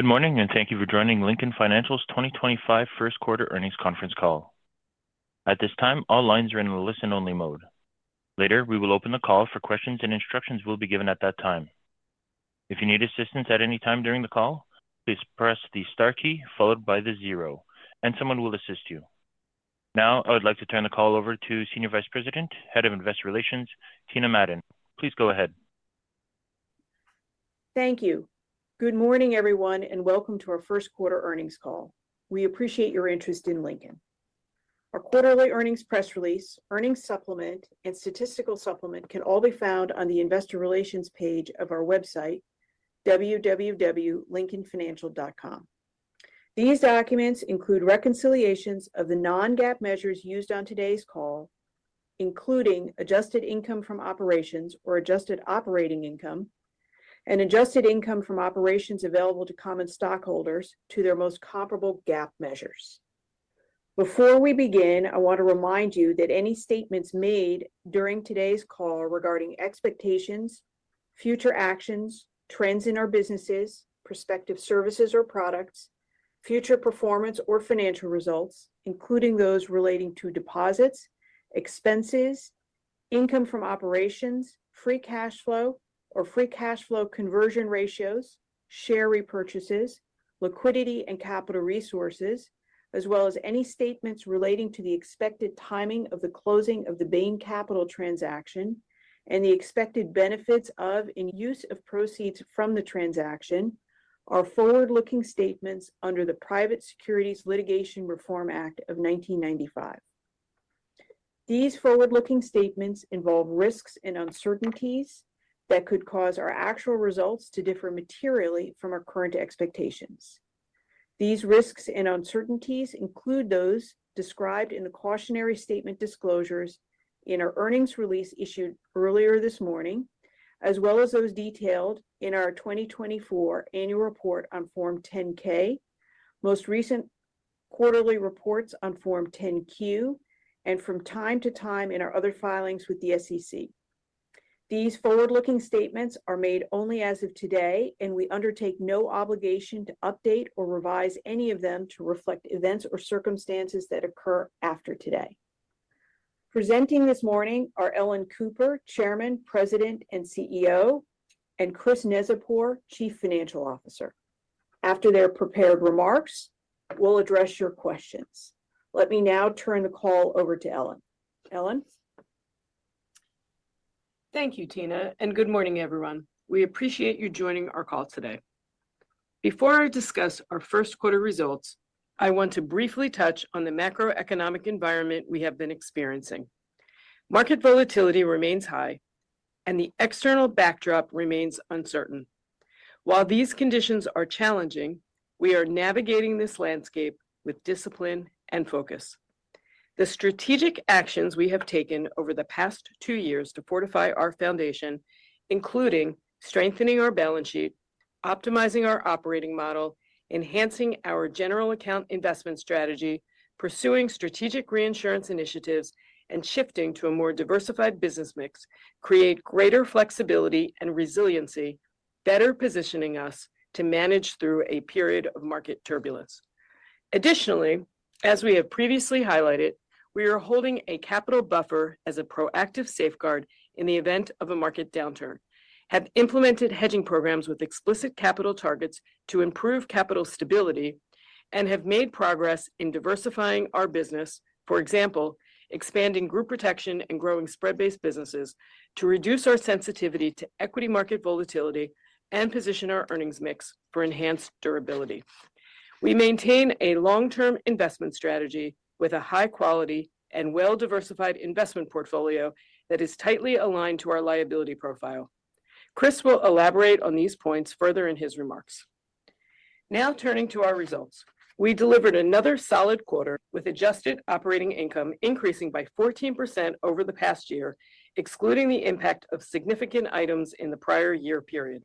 Good morning, and thank you for joining Lincoln Financial's 2025 First Quarter Earnings Conference call. At this time, all lines are in a listen-only mode. Later, we will open the call for questions, and instructions will be given at that time. If you need assistance at any time during the call, please press the star key followed by the zero, and someone will assist you. Now, I would like to turn the call over to Senior Vice President, Head of Investor Relations, Tina Madon. Please go ahead. Thank you. Good morning, everyone, and welcome to our First Quarter Earnings call. We appreciate your interest in Lincoln. Our quarterly earnings press release, earnings supplement, and statistical supplement can all be found on the Investor Relations page of our website, www.lincolnfinancial.com. These documents include reconciliations of the non-GAAP measures used on today's call, including adjusted income from operations, or adjusted operating income, and adjusted income from operations available to common stockholders to their most comparable GAAP measures. Before we begin, I want to remind you that any statements made during today's call regarding expectations, future actions, trends in our businesses, prospective services or products, future performance or financial results, including those relating to deposits, expenses, income from operations, free cash flow, or free cash flow conversion ratios, share repurchases, liquidity and capital resources, as well as any statements relating to the expected timing of the closing of the Bain Capital transaction and the expected benefits of and use of proceeds from the transaction are forward-looking statements under the Private Securities Litigation Reform Act of 1995. These forward-looking statements involve risks and uncertainties that could cause our actual results to differ materially from our current expectations. These risks and uncertainties include those described in the cautionary statement disclosures in our earnings release issued earlier this morning, as well as those detailed in our 2024 Annual Report on Form 10-K, most recent quarterly reports on Form 10-Q, and from time to time in our other filings with the SEC. These forward-looking statements are made only as of today, and we undertake no obligation to update or revise any of them to reflect events or circumstances that occur after today. Presenting this morning are Ellen Cooper, Chairman, President, and CEO, and Chris Neczypor, Chief Financial Officer. After their prepared remarks, we'll address your questions. Let me now turn the call over to Ellen. Ellen. Thank you, Tina, and good morning, everyone. We appreciate you joining our call today. Before I discuss our first quarter results, I want to briefly touch on the macroeconomic environment we have been experiencing. Market volatility remains high, and the external backdrop remains uncertain. While these conditions are challenging, we are navigating this landscape with discipline and focus. The strategic actions we have taken over the past two years to fortify our foundation, including strengthening our balance sheet, optimizing our operating model, enhancing our general account investment strategy, pursuing strategic reinsurance initiatives, and shifting to a more diversified business mix, create greater flexibility and resiliency, better positioning us to manage through a period of market turbulence. Additionally, as we have previously highlighted, we are holding a capital buffer as a proactive safeguard in the event of a market downturn, have implemented hedging programs with explicit capital targets to improve capital stability, and have made progress in diversifying our business, for example, expanding group protection and growing spread-based businesses to reduce our sensitivity to equity market volatility and position our earnings mix for enhanced durability. We maintain a long-term investment strategy with a high-quality and well-diversified investment portfolio that is tightly aligned to our liability profile. Chris will elaborate on these points further in his remarks. Now turning to our results, we delivered another solid quarter with adjusted operating income increasing by 14% over the past year, excluding the impact of significant items in the prior year period.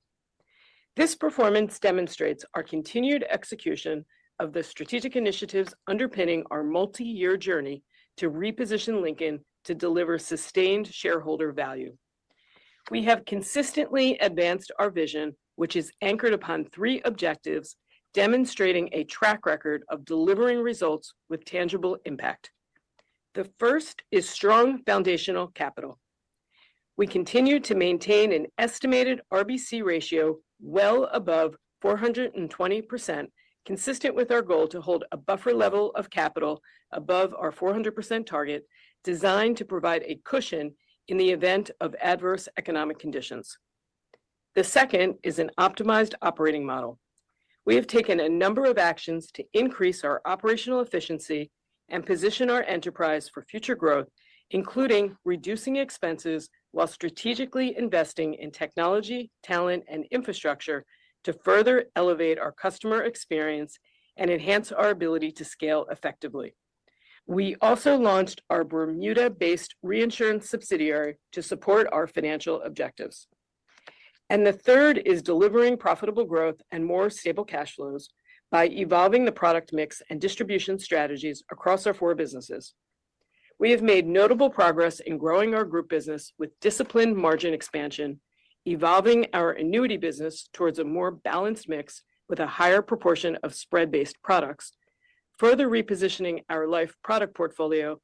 This performance demonstrates our continued execution of the strategic initiatives underpinning our multi-year journey to reposition Lincoln to deliver sustained shareholder value. We have consistently advanced our vision, which is anchored upon three objectives, demonstrating a track record of delivering results with tangible impact. The first is strong foundational capital. We continue to maintain an estimated RBC ratio well above 420%, consistent with our goal to hold a buffer level of capital above our 400% target, designed to provide a cushion in the event of adverse economic conditions. The second is an optimized operating model. We have taken a number of actions to increase our operational efficiency and position our enterprise for future growth, including reducing expenses while strategically investing in technology, talent, and infrastructure to further elevate our customer experience and enhance our ability to scale effectively. We also launched our Bermuda-based reinsurance subsidiary to support our financial objectives. The third is delivering profitable growth and more stable cash flows by evolving the product mix and distribution strategies across our four businesses. We have made notable progress in growing our group business with disciplined margin expansion, evolving our annuity business towards a more balanced mix with a higher proportion of spread-based products, further repositioning our life product portfolio,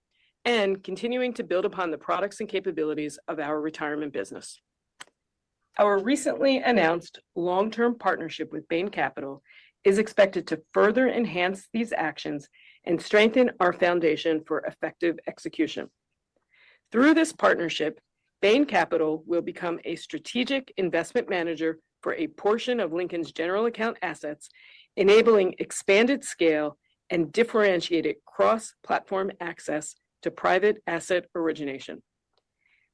and continuing to build upon the products and capabilities of our retirement business. Our recently announced long-term partnership with Bain Capital is expected to further enhance these actions and strengthen our foundation for effective execution. Through this partnership, Bain Capital will become a strategic investment manager for a portion of Lincoln's general account assets, enabling expanded scale and differentiated cross-platform access to private asset origination.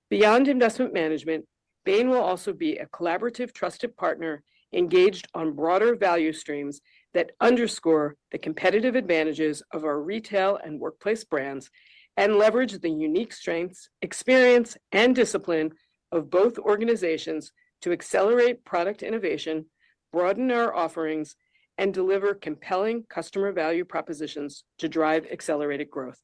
Beyond investment management, Bain will also be a collaborative trusted partner engaged on broader value streams that underscore the competitive advantages of our retail and workplace brands and leverage the unique strengths, experience, and discipline of both organizations to accelerate product innovation, broaden our offerings, and deliver compelling customer value propositions to drive accelerated growth.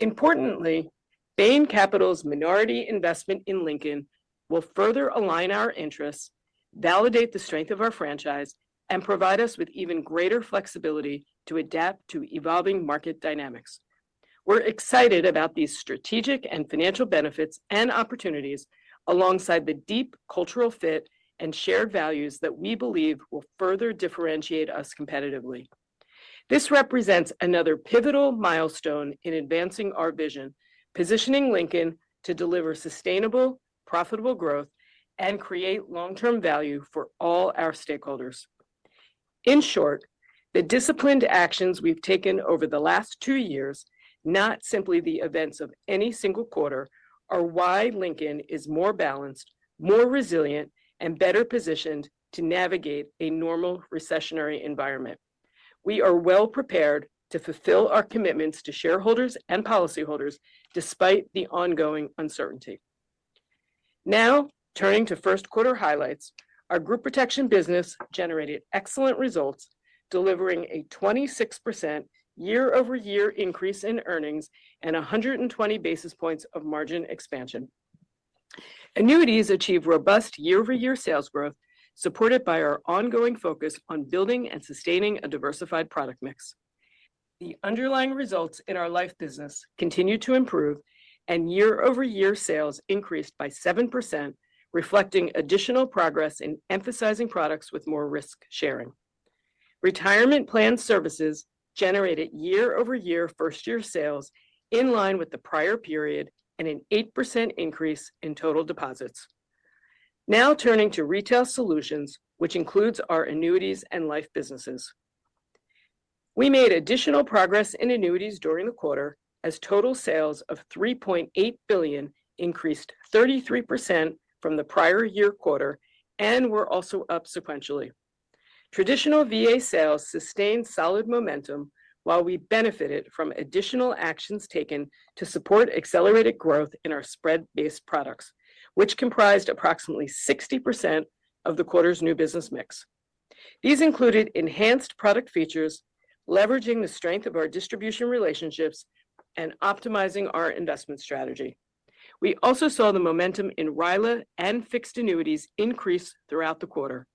Importantly, Bain Capital's minority investment in Lincoln will further align our interests, validate the strength of our franchise, and provide us with even greater flexibility to adapt to evolving market dynamics. We're excited about these strategic and financial benefits and opportunities alongside the deep cultural fit and shared values that we believe will further differentiate us competitively. This represents another pivotal milestone in advancing our vision, positioning Lincoln to deliver sustainable, profitable growth, and create long-term value for all our stakeholders. In short, the disciplined actions we've taken over the last two years, not simply the events of any single quarter, are why Lincoln is more balanced, more resilient, and better positioned to navigate a normal recessionary environment. We are well prepared to fulfill our commitments to shareholders and policyholders despite the ongoing uncertainty. Now, turning to first quarter highlights, our group protection business generated excellent results, delivering a 26% year-over-year increase in earnings and 120 basis points of margin expansion. Annuities achieved robust year-over-year sales growth, supported by our ongoing focus on building and sustaining a diversified product mix. The underlying results in our life business continued to improve, and year-over-year sales increased by 7%, reflecting additional progress in emphasizing products with more risk sharing. Retirement plan services generated year-over-year first-year sales in line with the prior period and an 8% increase in total deposits. Now turning to retail solutions, which includes our annuities and life businesses. We made additional progress in annuities during the quarter as total sales of $3.8 billion increased 33% from the prior year quarter and were also up sequentially. Traditional VA sales sustained solid momentum while we benefited from additional actions taken to support accelerated growth in our spread-based products, which comprised approximately 60% of the quarter's new business mix. These included enhanced product features, leveraging the strength of our distribution relationships and optimizing our investment strategy. We also saw the momentum in RILA and fixed annuities increase throughout the quarter.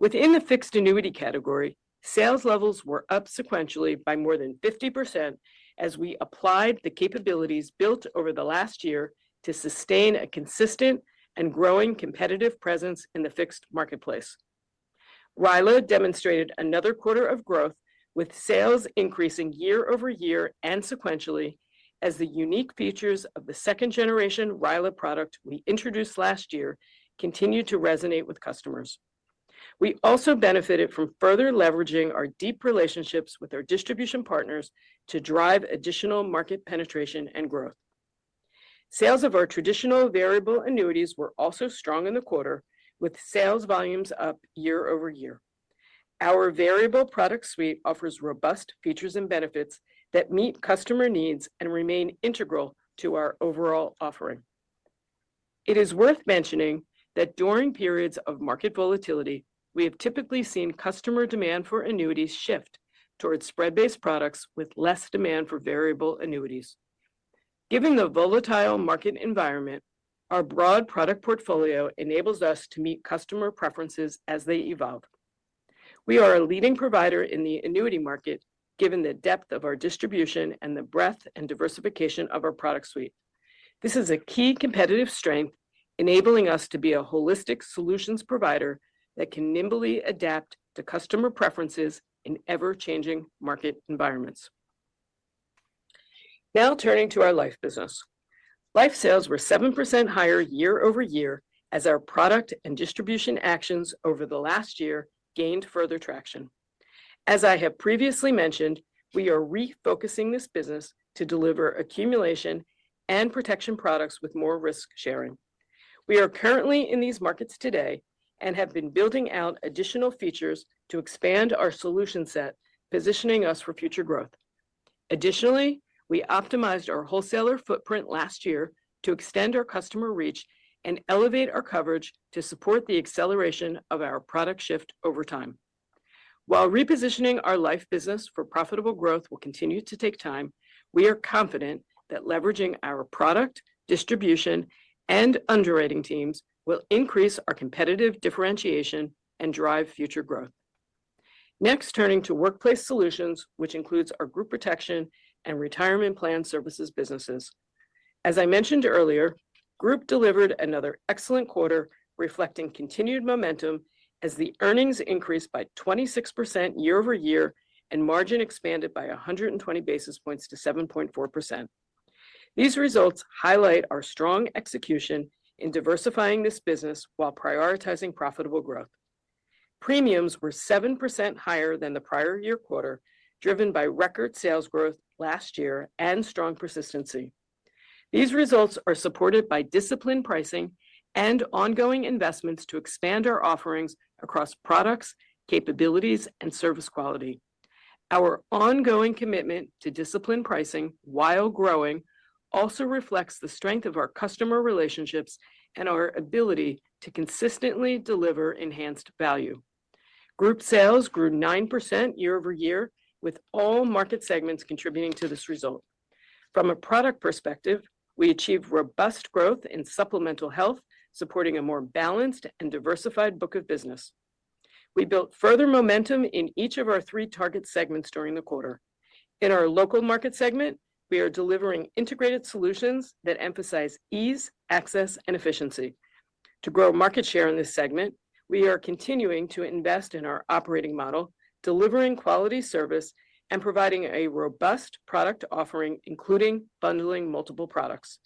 Within the fixed annuity category, sales levels were up sequentially by more than 50% as we applied the capabilities built over the last year to sustain a consistent and growing competitive presence in the fixed marketplace. RILA demonstrated another quarter of growth with sales increasing year-over-year and sequentially as the unique features of the second-generation RILA product we introduced last year continued to resonate with customers. We also benefited from further leveraging our deep relationships with our distribution partners to drive additional market penetration and growth. Sales of our traditional variable annuities were also strong in the quarter, with sales volumes up year-over-year. Our variable product suite offers robust features and benefits that meet customer needs and remain integral to our overall offering. It is worth mentioning that during periods of market volatility, we have typically seen customer demand for annuities shift towards spread-based products with less demand for variable annuities. Given the volatile market environment, our broad product portfolio enables us to meet customer preferences as they evolve. We are a leading provider in the annuity market, given the depth of our distribution and the breadth and diversification of our product suite. This is a key competitive strength, enabling us to be a holistic solutions provider that can nimbly adapt to customer preferences in ever-changing market environments. Now turning to our life business. Life sales were 7% higher year-over-year as our product and distribution actions over the last year gained further traction. As I have previously mentioned, we are refocusing this business to deliver accumulation and protection products with more risk sharing. We are currently in these markets today and have been building out additional features to expand our solution set, positioning us for future growth. Additionally, we optimized our wholesaler footprint last year to extend our customer reach and elevate our coverage to support the acceleration of our product shift over time. While repositioning our life business for profitable growth will continue to take time, we are confident that leveraging our product, distribution, and underwriting teams will increase our competitive differentiation and drive future growth. Next, turning to workplace solutions, which includes our group protection and retirement plan services businesses. As I mentioned earlier, group delivered another excellent quarter, reflecting continued momentum as the earnings increased by 26% year-over-year and margin expanded by 120 basis points to 7.4%. These results highlight our strong execution in diversifying this business while prioritizing profitable growth. Premiums were 7% higher than the prior year quarter, driven by record sales growth last year and strong persistency. These results are supported by disciplined pricing and ongoing investments to expand our offerings across products, capabilities, and service quality. Our ongoing commitment to disciplined pricing while growing also reflects the strength of our customer relationships and our ability to consistently deliver enhanced value. Group sales grew 9% year-over-year, with all market segments contributing to this result. From a product perspective, we achieved robust growth in supplemental health, supporting a more balanced and diversified book of business. We built further momentum in each of our three target segments during the quarter. In our local market segment, we are delivering integrated solutions that emphasize ease, access, and efficiency. To grow market share in this segment, we are continuing to invest in our operating model, delivering quality service, and providing a robust product offering, including bundling multiple products.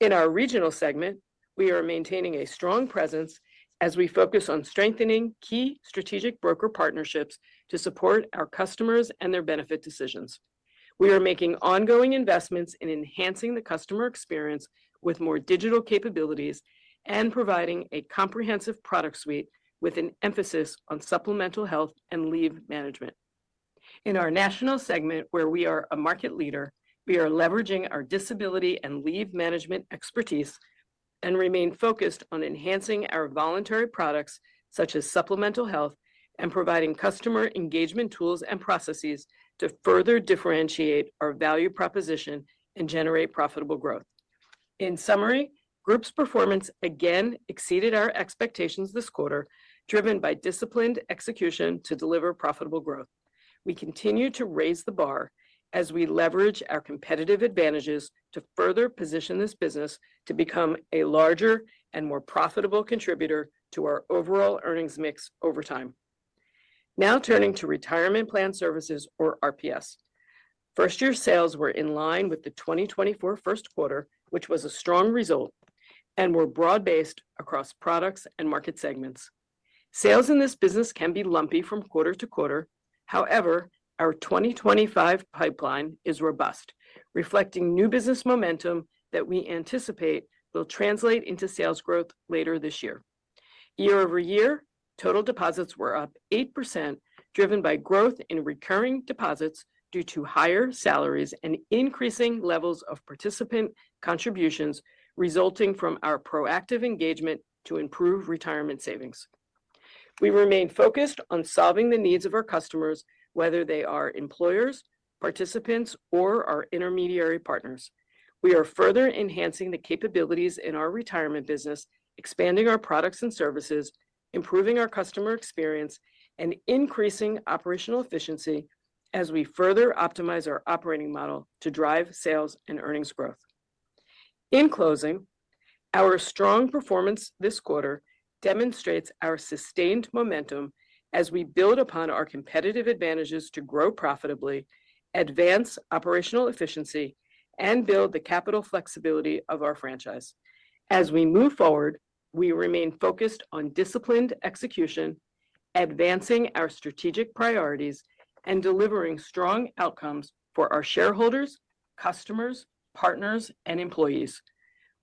In our regional segment, we are maintaining a strong presence as we focus on strengthening key strategic broker partnerships to support our customers and their benefit decisions. We are making ongoing investments in enhancing the customer experience with more digital capabilities and providing a comprehensive product suite with an emphasis on supplemental health and leave management. In our national segment, where we are a market leader, we are leveraging our disability and leave management expertise and remain focused on enhancing our voluntary products, such as supplemental health, and providing customer engagement tools and processes to further differentiate our value proposition and generate profitable growth. In summary, group's performance again exceeded our expectations this quarter, driven by disciplined execution to deliver profitable growth. We continue to raise the bar as we leverage our competitive advantages to further position this business to become a larger and more profitable contributor to our overall earnings mix over time. Now turning to retirement plan services, or RPS. First-year sales were in line with the 2024 first quarter, which was a strong result and were broad-based across products and market segments. Sales in this business can be lumpy from quarter to quarter. However, our 2025 pipeline is robust, reflecting new business momentum that we anticipate will translate into sales growth later this year. Year-over-year, total deposits were up 8%, driven by growth in recurring deposits due to higher salaries and increasing levels of participant contributions resulting from our proactive engagement to improve retirement savings. We remain focused on solving the needs of our customers, whether they are employers, participants, or our intermediary partners. We are further enhancing the capabilities in our retirement business, expanding our products and services, improving our customer experience, and increasing operational efficiency as we further optimize our operating model to drive sales and earnings growth. In closing, our strong performance this quarter demonstrates our sustained momentum as we build upon our competitive advantages to grow profitably, advance operational efficiency, and build the capital flexibility of our franchise. As we move forward, we remain focused on disciplined execution, advancing our strategic priorities, and delivering strong outcomes for our shareholders, customers, partners, and employees.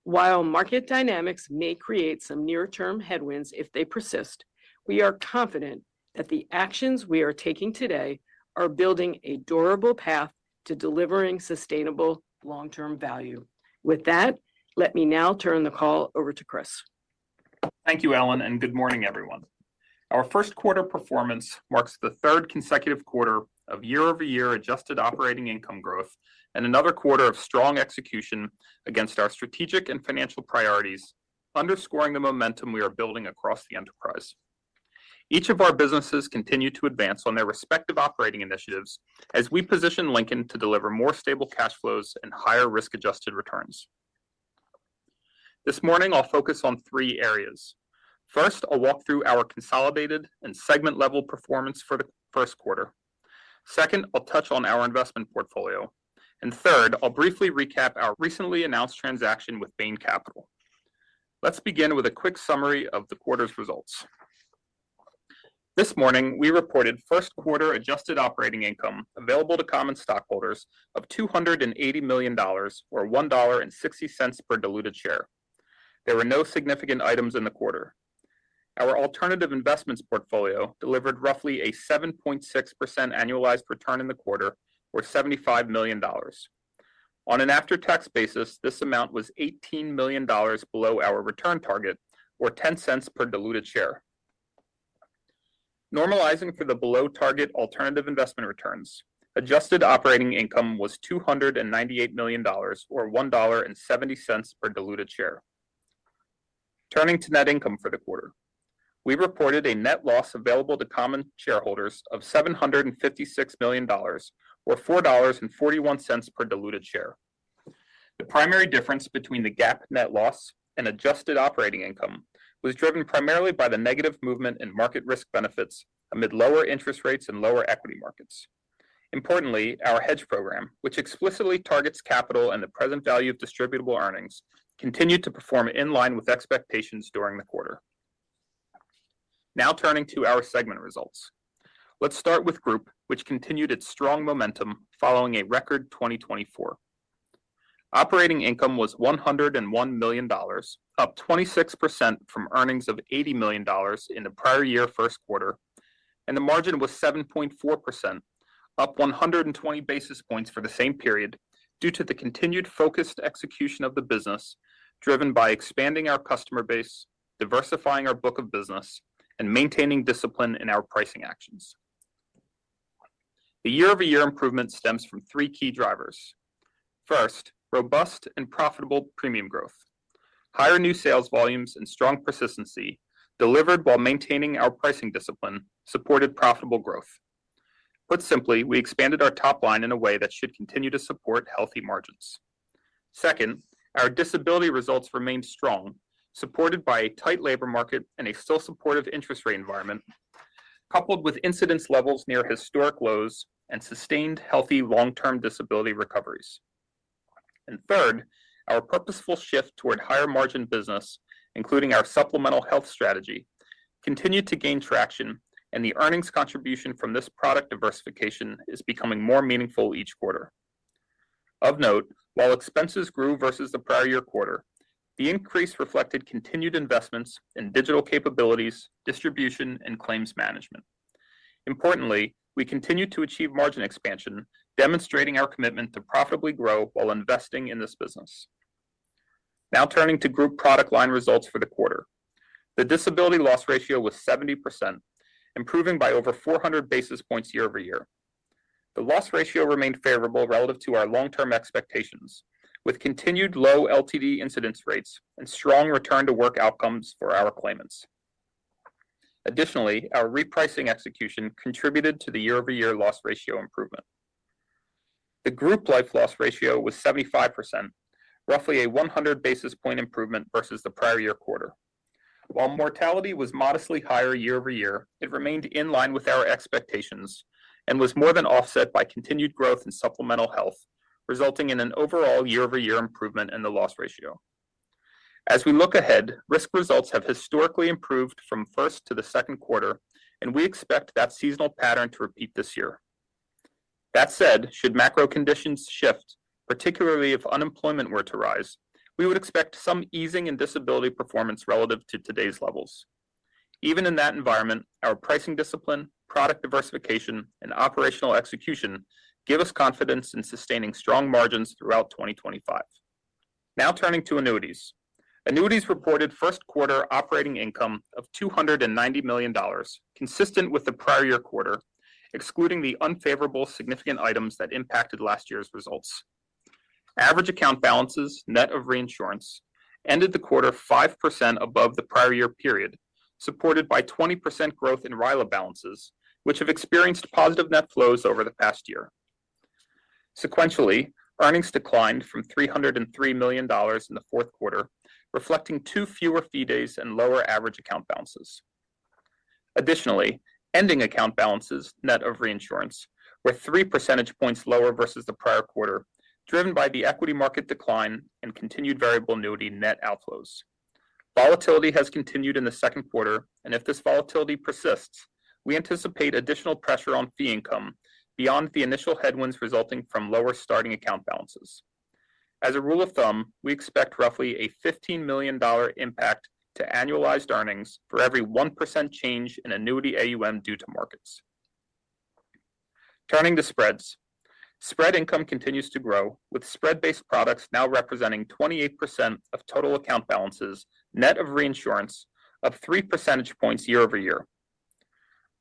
While market dynamics may create some near-term headwinds if they persist, we are confident that the actions we are taking today are building a durable path to delivering sustainable long-term value. With that, let me now turn the call over to Chris. Thank you, Ellen, and good morning, everyone. Our first quarter performance marks the third consecutive quarter of year-over-year adjusted operating income growth and another quarter of strong execution against our strategic and financial priorities, underscoring the momentum we are building across the enterprise. Each of our businesses continues to advance on their respective operating initiatives as we position Lincoln to deliver more stable cash flows and higher risk-adjusted returns. This morning, I'll focus on three areas. First, I'll walk through our consolidated and segment-level performance for the first quarter. Second, I'll touch on our investment portfolio. Third, I'll briefly recap our recently announced transaction with Bain Capital. Let's begin with a quick summary of the quarter's results. This morning, we reported first quarter adjusted operating income available to common stockholders of $280 million, or $1.60 per diluted share. There were no significant items in the quarter. Our alternative investments portfolio delivered roughly a 7.6% annualized return in the quarter, or $75 million. On an after-tax basis, this amount was $18 million below our return target, or $0.10 per diluted share. Normalizing for the below-target alternative investment returns, adjusted operating income was $298 million, or $1.70 per diluted share. Turning to net income for the quarter, we reported a net loss available to common shareholders of $756 million, or $4.41 per diluted share. The primary difference between the GAAP net loss and adjusted operating income was driven primarily by the negative movement in market risk benefits amid lower interest rates and lower equity markets. Importantly, our hedge program, which explicitly targets capital and the present value of distributable earnings, continued to perform in line with expectations during the quarter. Now turning to our segment results. Let's start with group, which continued its strong momentum following a record 2024. Operating income was $101 million, up 26% from earnings of $80 million in the prior year first quarter, and the margin was 7.4%, up 120 basis points for the same period due to the continued focused execution of the business driven by expanding our customer base, diversifying our book of business, and maintaining discipline in our pricing actions. The year-over-year improvement stems from three key drivers. First, robust and profitable premium growth. Higher new sales volumes and strong persistency delivered while maintaining our pricing discipline supported profitable growth. Put simply, we expanded our top line in a way that should continue to support healthy margins. Second, our disability results remained strong, supported by a tight labor market and a still supportive interest rate environment, coupled with incidence levels near historic lows and sustained healthy long-term disability recoveries. Third, our purposeful shift toward higher margin business, including our supplemental health strategy, continued to gain traction, and the earnings contribution from this product diversification is becoming more meaningful each quarter. Of note, while expenses grew versus the prior year quarter, the increase reflected continued investments in digital capabilities, distribution, and claims management. Importantly, we continue to achieve margin expansion, demonstrating our commitment to profitably grow while investing in this business. Now turning to group product line results for the quarter. The disability loss ratio was 70%, improving by over 400 basis points year-over-year. The loss ratio remained favorable relative to our long-term expectations, with continued low LTD incidence rates and strong return-to-work outcomes for our claimants. Additionally, our repricing execution contributed to the year-over-year loss ratio improvement. The group life loss ratio was 75%, roughly a 100 basis point improvement versus the prior year quarter. While mortality was modestly higher year-over-year, it remained in line with our expectations and was more than offset by continued growth in supplemental health, resulting in an overall year-over-year improvement in the loss ratio. As we look ahead, risk results have historically improved from first to the second quarter, and we expect that seasonal pattern to repeat this year. That said, should macro conditions shift, particularly if unemployment were to rise, we would expect some easing in disability performance relative to today's levels. Even in that environment, our pricing discipline, product diversification, and operational execution give us confidence in sustaining strong margins throughout 2025. Now turning to annuities. Annuities reported first quarter operating income of $290 million, consistent with the prior year quarter, excluding the unfavorable significant items that impacted last year's results. Average account balances, net of reinsurance, ended the quarter 5% above the prior year period, supported by 20% growth in RILA balances, which have experienced positive net flows over the past year. Sequentially, earnings declined from $303 million in the fourth quarter, reflecting two fewer fee days and lower average account balances. Additionally, ending account balances, net of reinsurance, were 3 percentage points lower versus the prior quarter, driven by the equity market decline and continued variable annuity net outflows. Volatility has continued in the second quarter, and if this volatility persists, we anticipate additional pressure on fee income beyond the initial headwinds resulting from lower starting account balances. As a rule of thumb, we expect roughly a $15 million impact to annualized earnings for every 1% change in annuity AUM due to markets. Turning to spreads. Spread income continues to grow, with spread-based products now representing 28% of total account balances, net of reinsurance, up 3 percentage points year-over-year.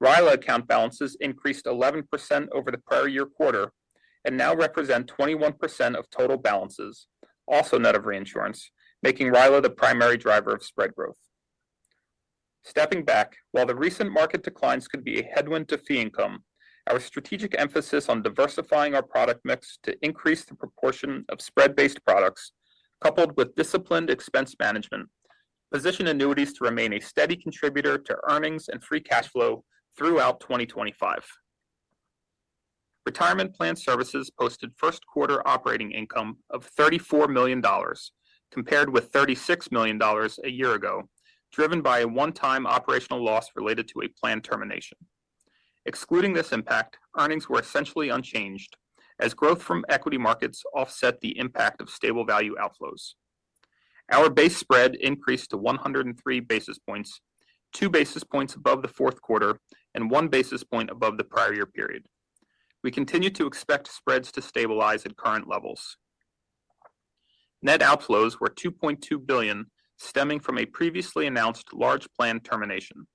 RILA account balances increased 11% over the prior year quarter and now represent 21% of total balances, also net of reinsurance, making RILA the primary driver of spread growth. Stepping back, while the recent market declines could be a headwind to fee income, our strategic emphasis on diversifying our product mix to increase the proportion of spread-based products, coupled with disciplined expense management, position annuities to remain a steady contributor to earnings and free cash flow throughout 2025. Retirement plan services posted first quarter operating income of $34 million, compared with $36 million a year ago, driven by a one-time operational loss related to a plan termination. Excluding this impact, earnings were essentially unchanged, as growth from equity markets offset the impact of stable value outflows. Our base spread increased to 103 basis points, two basis points above the fourth quarter and one basis point above the prior year period. We continue to expect spreads to stabilize at current levels. Net outflows were $2.2 billion, stemming from a previously announced large plan termination.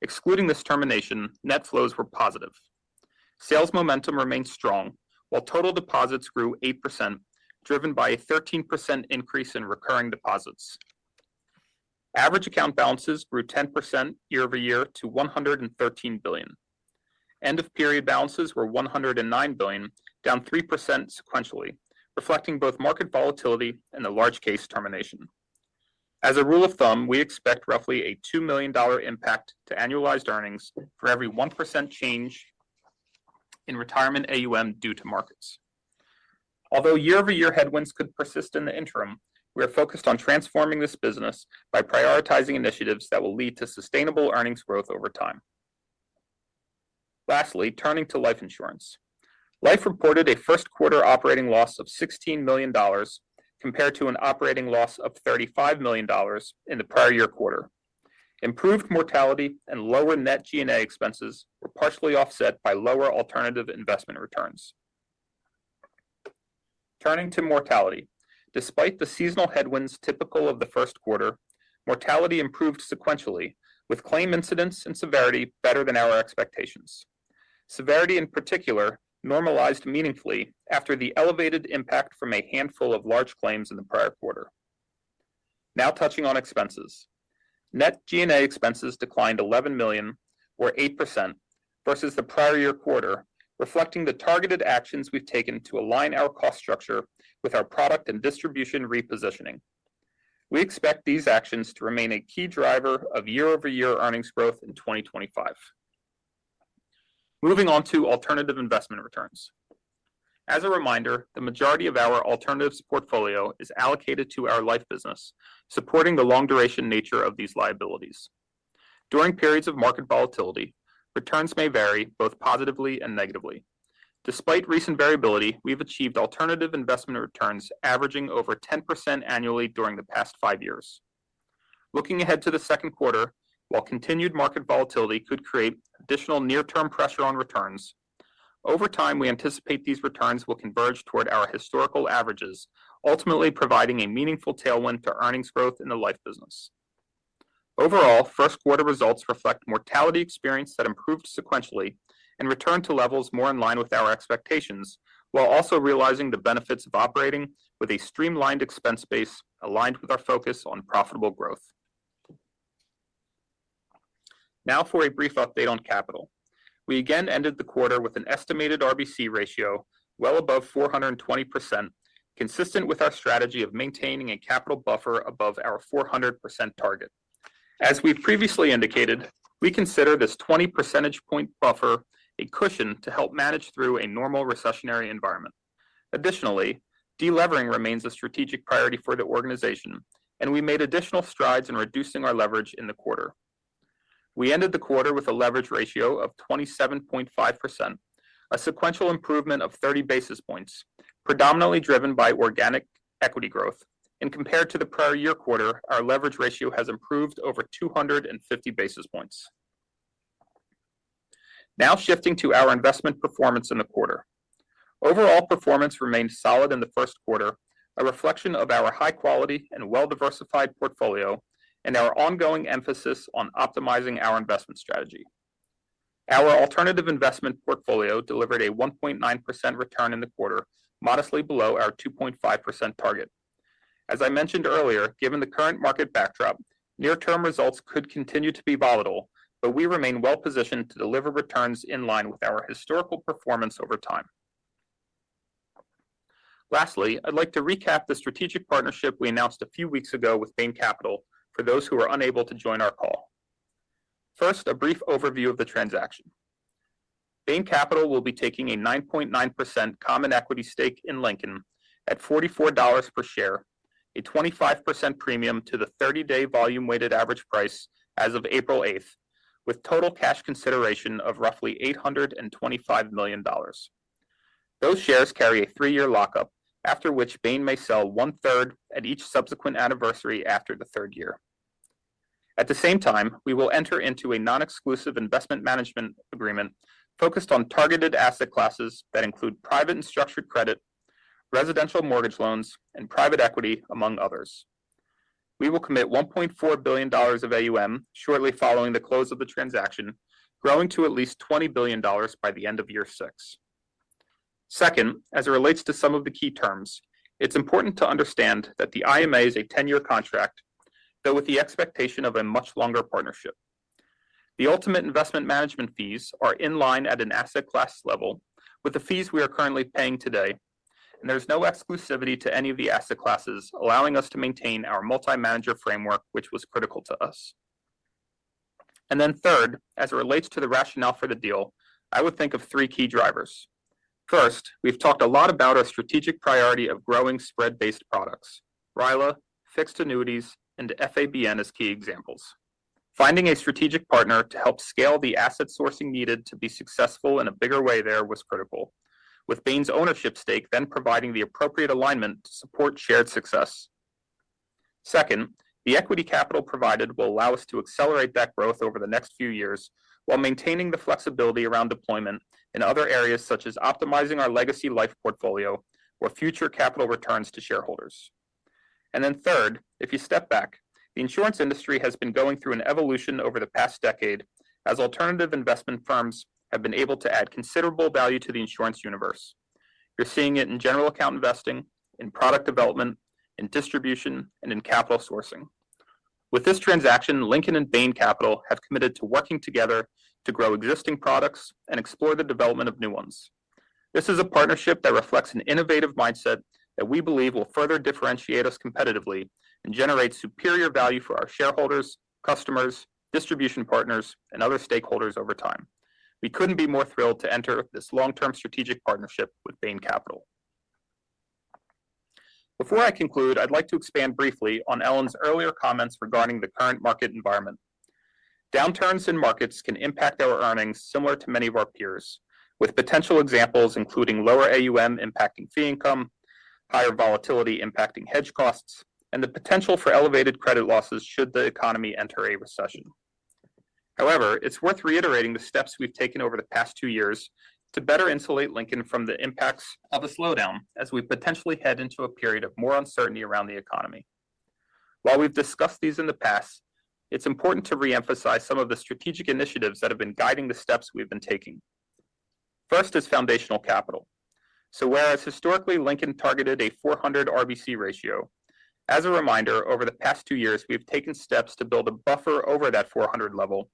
Excluding this termination, net flows were positive. Sales momentum remained strong, while total deposits grew 8%, driven by a 13% increase in recurring deposits. Average account balances grew 10% year-over-year to $113 billion. End-of-period balances were $109 billion, down 3% sequentially, reflecting both market volatility and the large case termination. As a rule of thumb, we expect roughly a $2 million impact to annualized earnings for every 1% change in retirement AUM due to markets. Although year-over-year headwinds could persist in the interim, we are focused on transforming this business by prioritizing initiatives that will lead to sustainable earnings growth over time. Lastly, turning to life insurance. Life reported a first quarter operating loss of $16 million compared to an operating loss of $35 million in the prior year quarter. Improved mortality and lower net G&A expenses were partially offset by lower alternative investment returns. Turning to mortality. Despite the seasonal headwinds typical of the first quarter, mortality improved sequentially, with claim incidence and severity better than our expectations. Severity, in particular, normalized meaningfully after the elevated impact from a handful of large claims in the prior quarter. Now touching on expenses. Net G&A expenses declined $11 million, or 8%, versus the prior year quarter, reflecting the targeted actions we've taken to align our cost structure with our product and distribution repositioning. We expect these actions to remain a key driver of year-over-year earnings growth in 2025. Moving on to alternative investment returns. As a reminder, the majority of our alternatives portfolio is allocated to our life business, supporting the long-duration nature of these liabilities. During periods of market volatility, returns may vary both positively and negatively. Despite recent variability, we've achieved alternative investment returns averaging over 10% annually during the past five years. Looking ahead to the second quarter, while continued market volatility could create additional near-term pressure on returns, over time, we anticipate these returns will converge toward our historical averages, ultimately providing a meaningful tailwind to earnings growth in the life business. Overall, first quarter results reflect mortality experience that improved sequentially and returned to levels more in line with our expectations, while also realizing the benefits of operating with a streamlined expense base aligned with our focus on profitable growth. Now for a brief update on capital. We again ended the quarter with an estimated RBC ratio well above 420%, consistent with our strategy of maintaining a capital buffer above our 400% target. As we've previously indicated, we consider this 20 percentage point buffer a cushion to help manage through a normal recessionary environment. Additionally, delevering remains a strategic priority for the organization, and we made additional strides in reducing our leverage in the quarter. We ended the quarter with a leverage ratio of 27.5%, a sequential improvement of 30 basis points, predominantly driven by organic equity growth. In comparison to the prior year quarter, our leverage ratio has improved over 250 basis points. Now shifting to our investment performance in the quarter. Overall performance remained solid in the first quarter, a reflection of our high-quality and well-diversified portfolio and our ongoing emphasis on optimizing our investment strategy. Our alternative investment portfolio delivered a 1.9% return in the quarter, modestly below our 2.5% target. As I mentioned earlier, given the current market backdrop, near-term results could continue to be volatile, but we remain well-positioned to deliver returns in line with our historical performance over time. Lastly, I'd like to recap the strategic partnership we announced a few weeks ago with Bain Capital for those who are unable to join our call. First, a brief overview of the transaction. Bain Capital will be taking a 9.9% common equity stake in Lincoln at $44 per share, a 25% premium to the 30-day volume-weighted average price as of April 8th, with total cash consideration of roughly $825 million. Those shares carry a three-year lockup, after which Bain may sell one-third at each subsequent anniversary after the third year. At the same time, we will enter into a non-exclusive investment management agreement focused on targeted asset classes that include private and structured credit, residential mortgage loans, and private equity, among others. We will commit $1.4 billion of AUM shortly following the close of the transaction, growing to at least $20 billion by the end of year six. Second, as it relates to some of the key terms, it is important to understand that the IMA is a 10-year contract, though with the expectation of a much longer partnership. The ultimate investment management fees are in line at an asset class level with the fees we are currently paying today, and there is no exclusivity to any of the asset classes, allowing us to maintain our multi-manager framework, which was critical to us. Third, as it relates to the rationale for the deal, I would think of three key drivers. First, we've talked a lot about our strategic priority of growing spread-based products. RILA, fixed annuities, and FABN as key examples. Finding a strategic partner to help scale the asset sourcing needed to be successful in a bigger way there was critical, with Bain's ownership stake then providing the appropriate alignment to support shared success. Second, the Equity Capital provided will allow us to accelerate that growth over the next few years while maintaining the flexibility around deployment in other areas such as optimizing our legacy life portfolio or future capital returns to shareholders. Third, if you step back, the insurance industry has been going through an evolution over the past decade as alternative investment firms have been able to add considerable value to the insurance universe. You're seeing it in general account investing, in product development, in distribution, and in capital sourcing. With this transaction, Lincoln and Bain Capital have committed to working together to grow existing products and explore the development of new ones. This is a partnership that reflects an innovative mindset that we believe will further differentiate us competitively and generate superior value for our shareholders, customers, distribution partners, and other stakeholders over time. We couldn't be more thrilled to enter this long-term strategic partnership with Bain Capital. Before I conclude, I'd like to expand briefly on Ellen's earlier comments regarding the current market environment. Downturns in markets can impact our earnings similar to many of our peers, with potential examples including lower AUM impacting fee income, higher volatility impacting hedge costs, and the potential for elevated credit losses should the economy enter a recession. However, it's worth reiterating the steps we've taken over the past two years to better insulate Lincoln from the impacts of a slowdown as we potentially head into a period of more uncertainty around the economy. While we've discussed these in the past, it's important to reemphasize some of the strategic initiatives that have been guiding the steps we've been taking. First is foundational capital. So whereas historically Lincoln targeted a 400 RBC ratio, as a reminder, over the past two years, we've taken steps to build a buffer over that 400 level,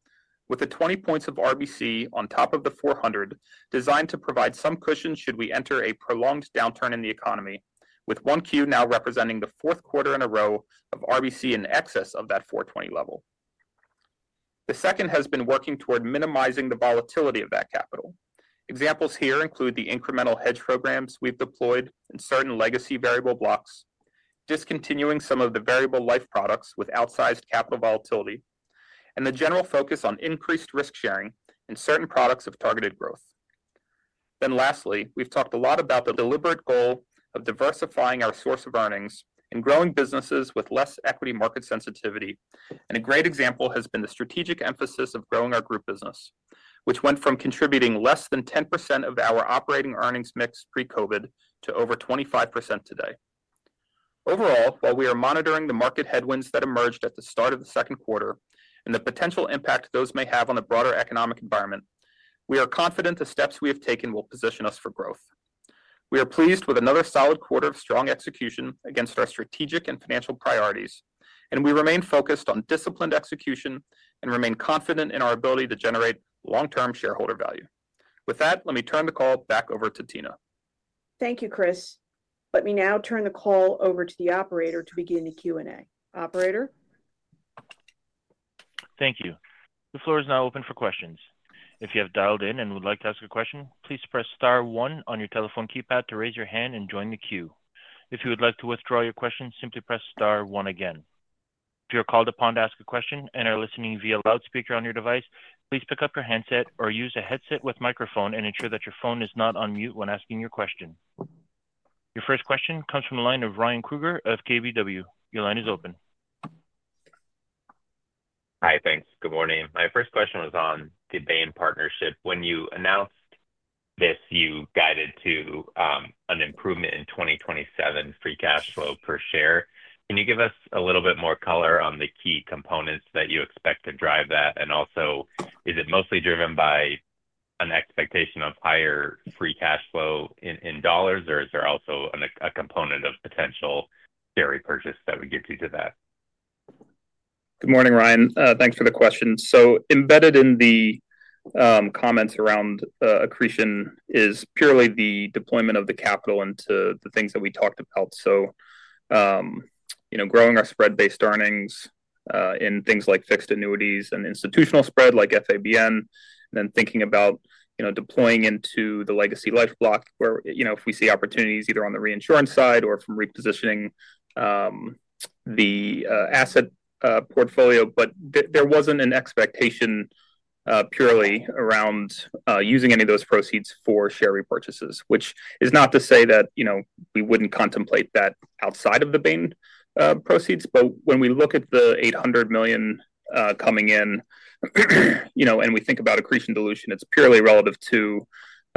with the 20 points of RBC on top of the 400 designed to provide some cushion should we enter a prolonged downturn in the economy, with one Q now representing the fourth quarter in a row of RBC in excess of that 420 level. The second has been working toward minimizing the volatility of that capital. Examples here include the incremental hedge programs we have deployed in certain legacy variable blocks, discontinuing some of the variable life products with outsized capital volatility, and the general focus on increased risk sharing in certain products of targeted growth. Lastly, we have talked a lot about the deliberate goal of diversifying our source of earnings and growing businesses with less equity market sensitivity. A great example has been the strategic emphasis of growing our group business, which went from contributing less than 10% of our operating earnings mix pre-COVID to over 25% today. Overall, while we are monitoring the market headwinds that emerged at the start of the second quarter and the potential impact those may have on the broader economic environment, we are confident the steps we have taken will position us for growth. We are pleased with another solid quarter of strong execution against our strategic and financial priorities, and we remain focused on disciplined execution and remain confident in our ability to generate long-term shareholder value. With that, let me turn the call back over to Tina. Thank you, Chris. Let me now turn the call over to the operator to begin the Q&A. Operator. Thank you. The floor is now open for questions. If you have dialed in and would like to ask a question, please press star one on your telephone keypad to raise your hand and join the queue. If you would like to withdraw your question, simply press star one again. If you're called upon to ask a question and are listening via loudspeaker on your device, please pick up your handset or use a headset with microphone and ensure that your phone is not on mute when asking your question. Your first question comes from the line of Ryan Krueger of KBW. Your line is open. Hi, thanks. Good morning. My first question was on the Bain partnership. When you announced this, you guided to an improvement in 2027 free cash flow per share. Can you give us a little bit more color on the key components that you expect to drive that? Also, is it mostly driven by an expectation of higher free cash flow in dollars, or is there also a component of potential share repurchase that would get you to that? Good morning, Ryan. Thanks for the question. Embedded in the comments around accretion is purely the deployment of the capital into the things that we talked about. Growing our spread-based earnings in things like fixed annuities and institutional spread like FABN, and then thinking about deploying into the legacy life block where if we see opportunities either on the reinsurance side or from repositioning the asset portfolio. There was not an expectation purely around using any of those proceeds for share repurchases, which is not to say that we would not contemplate that outside of the Bain proceeds. When we look at the $800 million coming in and we think about accretion dilution, it is purely relative to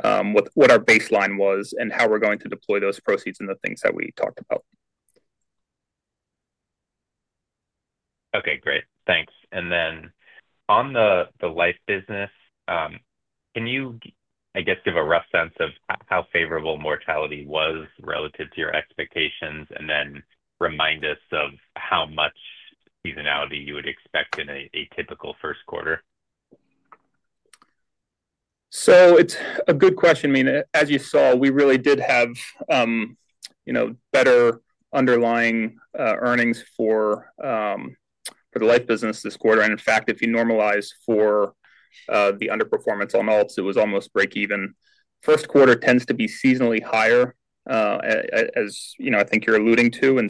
what our baseline was and how we are going to deploy those proceeds and the things that we talked about. Okay, great. Thanks. On the life business, can you, I guess, give a rough sense of how favorable mortality was relative to your expectations and then remind us of how much seasonality you would expect in a typical first quarter? It is a good question. I mean, as you saw, we really did have better underlying earnings for the life business this quarter. In fact, if you normalize for the underperformance on alts, it was almost break-even. First quarter tends to be seasonally higher, as I think you are alluding to.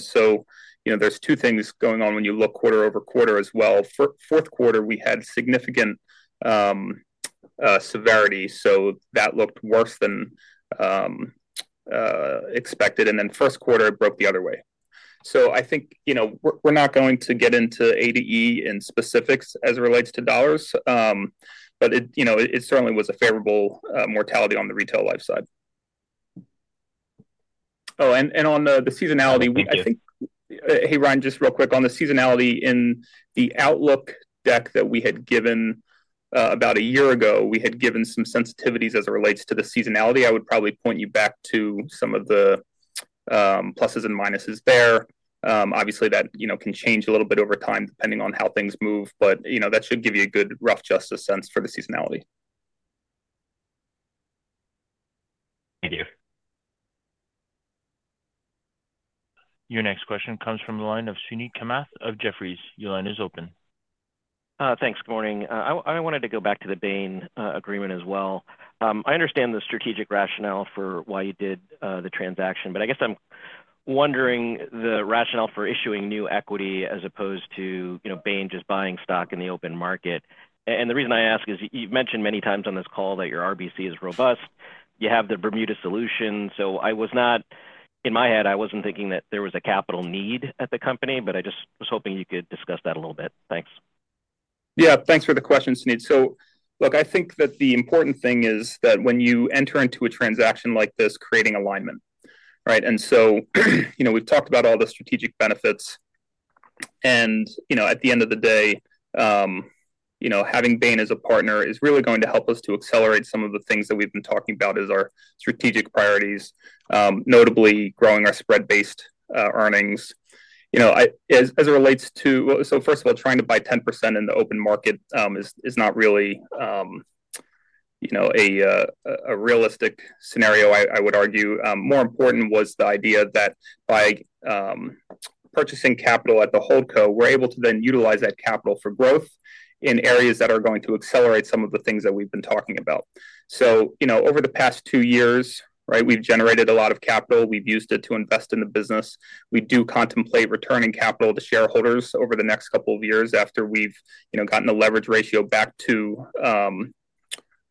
There are two things going on when you look quarter over quarter as well. Fourth quarter, we had significant severity. That looked worse than expected. First quarter broke the other way. I think we're not going to get into ADE in specifics as it relates to dollars, but it certainly was a favorable mortality on the retail life side. Oh, and on the seasonality, I think, hey, Ryan, just real quick on the seasonality in the outlook deck that we had given about a year ago, we had given some sensitivities as it relates to the seasonality. I would probably point you back to some of the pluses and minuses there. Obviously, that can change a little bit over time depending on how things move, but that should give you a good rough justice sense for the seasonality. Thank you. Your next question comes from the line of Suneet Kamath of Jefferies. Your line is open. Thanks. Good morning. I wanted to go back to the Bain agreement as well. I understand the strategic rationale for why you did the transaction, but I guess I'm wondering the rationale for issuing new equity as opposed to Bain just buying stock in the open market. The reason I ask is you've mentioned many times on this call that your RBC is robust. You have the Bermuda Solution. In my head, I wasn't thinking that there was a capital need at the company, but I just was hoping you could discuss that a little bit. Thanks. Yeah, thanks for the question, Suneet. I think that the important thing is that when you enter into a transaction like this, creating alignment, right? We've talked about all the strategic benefits. At the end of the day, having Bain as a partner is really going to help us to accelerate some of the things that we've been talking about as our strategic priorities, notably growing our spread-based earnings. As it relates to, first of all, trying to buy 10% in the open market is not really a realistic scenario, I would argue. More important was the idea that by purchasing capital at the HOLD.co, we're able to then utilize that capital for growth in areas that are going to accelerate some of the things that we've been talking about. Over the past two years, right, we've generated a lot of capital. We've used it to invest in the business. We do contemplate returning capital to shareholders over the next couple of years after we've gotten the leverage ratio back to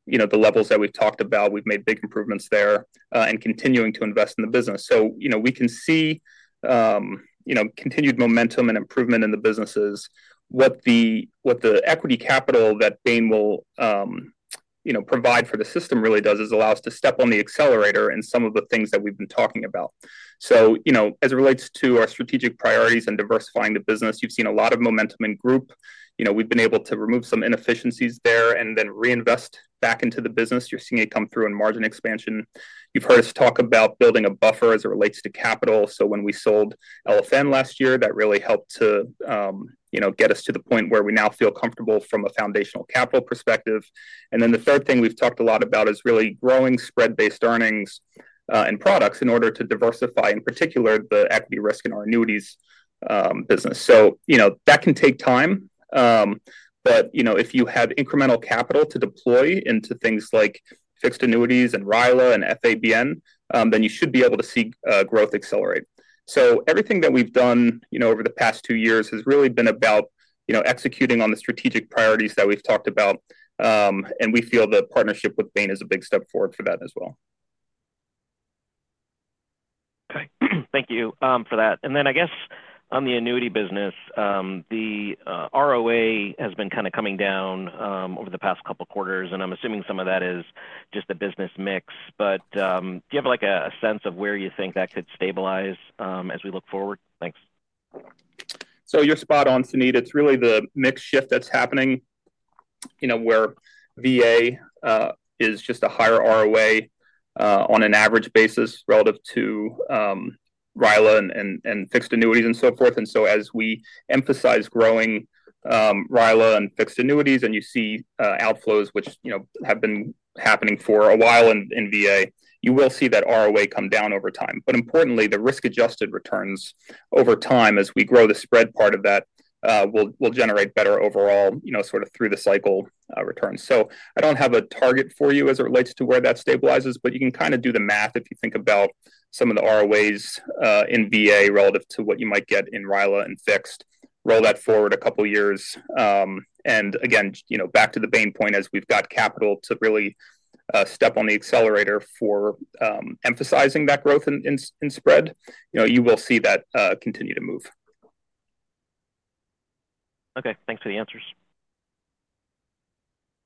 the levels that we've talked about. We've made big improvements there and continuing to invest in the business. We can see continued momentum and improvement in the businesses. What the Equity Capital that Bain will provide for the system really does is allow us to step on the accelerator in some of the things that we've been talking about. As it relates to our strategic priorities and diversifying the business, you've seen a lot of momentum in group. We've been able to remove some inefficiencies there and then reinvest back into the business. You're seeing it come through in margin expansion. You've heard us talk about building a buffer as it relates to capital. When we sold LFN last year, that really helped to get us to the point where we now feel comfortable from a foundational capital perspective. The third thing we have talked a lot about is really growing spread-based earnings and products in order to diversify, in particular, the equity risk in our annuities business. That can take time, but if you have incremental capital to deploy into things like fixed annuities and RILA and FABN, then you should be able to see growth accelerate. Everything that we have done over the past two years has really been about executing on the strategic priorities that we have talked about. We feel the partnership with Bain is a big step forward for that as well. Thank you for that. I guess on the annuity business, the ROA has been kind of coming down over the past couple of quarters, and I am assuming some of that is just the business mix. Do you have a sense of where you think that could stabilize as we look forward? Thanks. You're spot on, Suneet. It's really the mix shift that's happening where VA is just a higher ROA on an average basis relative to RILA and fixed annuities and so forth. As we emphasize growing RILA and fixed annuities and you see outflows, which have been happening for a while in VA, you will see that ROA come down over time. Importantly, the risk-adjusted returns over time as we grow the spread part of that will generate better overall sort of through the cycle returns. I do not have a target for you as it relates to where that stabilizes, but you can kind of do the math if you think about some of the ROAs in VA relative to what you might get in RILA and fixed, roll that forward a couple of years. Again, back to the Bain point, as we have got capital to really step on the accelerator for emphasizing that growth in spread, you will see that continue to move. Okay. Thanks for the answers.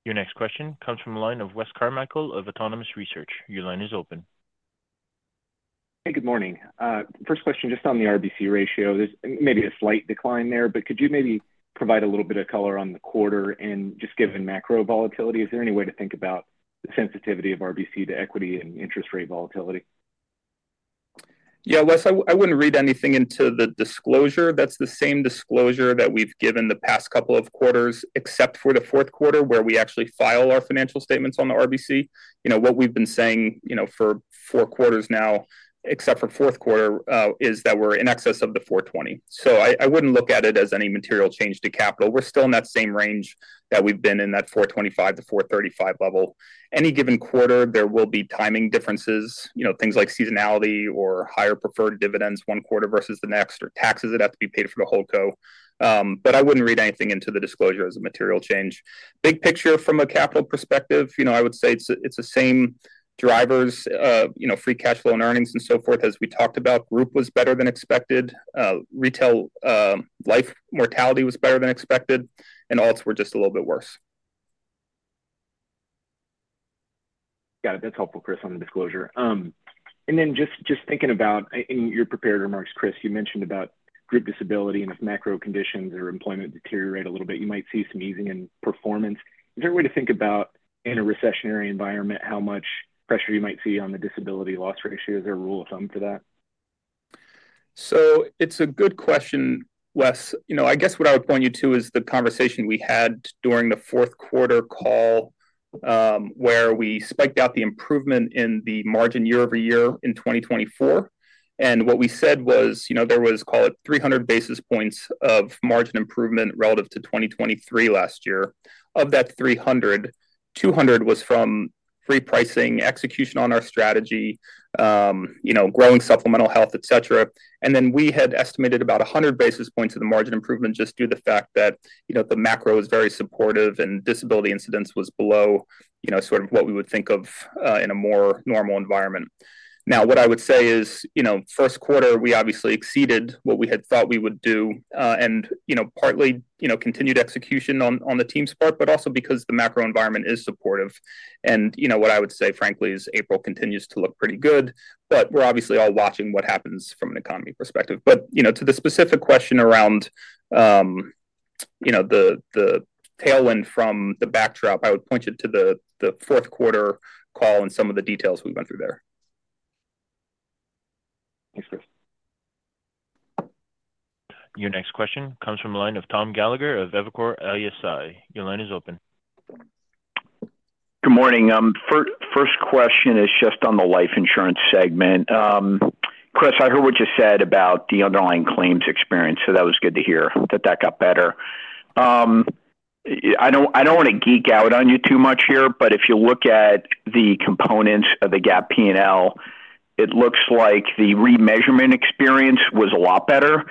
Your next question comes from the line of Wes Carmichael of Autonomous Research. Your line is open. Hey, good morning. First question, just on the RBC ratio, there's maybe a slight decline there, but could you maybe provide a little bit of color on the quarter and just given macro volatility, is there any way to think about the sensitivity of RBC to equity and interest rate volatility? Yeah, Wes, I wouldn't read anything into the disclosure. That's the same disclosure that we've given the past couple of quarters, except for the fourth quarter where we actually file our financial statements on the RBC. What we've been saying for four quarters now, except for fourth quarter, is that we're in excess of the 420. I wouldn't look at it as any material change to capital. We're still in that same range that we've been in, that 425-435 level. Any given quarter, there will be timing differences, things like seasonality or higher preferred dividends one quarter versus the next or taxes that have to be paid for the HOLD.co. I would not read anything into the disclosure as a material change. Big picture from a capital perspective, I would say it is the same drivers, free cash flow and earnings and so forth, as we talked about. Group was better than expected. Retail life mortality was better than expected, and alts were just a little bit worse. Got it. That is helpful, Chris, on the disclosure. Just thinking about, in your prepared remarks, Chris, you mentioned about group disability and if macro conditions or employment deteriorate a little bit, you might see some easing in performance. Is there a way to think about, in a recessionary environment, how much pressure you might see on the disability loss ratio? Is there a rule of thumb for that? It is a good question, Wes. I guess what I would point you to is the conversation we had during the fourth quarter call where we spiked out the improvement in the margin year-over-year in 2024. What we said was there was, call it, 300 basis points of margin improvement relative to 2023 last year. Of that 300, 200 was from free pricing, execution on our strategy, growing supplemental health, etc. Then we had estimated about 100 basis points of the margin improvement just due to the fact that the macro was very supportive and disability incidence was below sort of what we would think of in a more normal environment. Now, what I would say is first quarter, we obviously exceeded what we had thought we would do and partly continued execution on the team's part, but also because the macro environment is supportive. What I would say, frankly, is April continues to look pretty good, but we're obviously all watching what happens from an economy perspective. To the specific question around the tailwind from the backdrop, I would point you to the fourth quarter call and some of the details we went through there. Thanks, Chris. Your next question comes from the line of Tom Gallagher of Evercore ISI. Your line is open. Good morning. First question is just on the life insurance segment. Chris, I heard what you said about the underlying claims experience, so that was good to hear that that got better. I do not want to geek out on you too much here, but if you look at the components of the GAAP P&L, it looks like the remeasurement experience was a lot better